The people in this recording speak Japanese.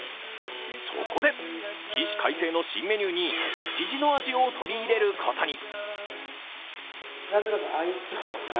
そこで、起死回生の新メニューに築地の味を取り入れることに。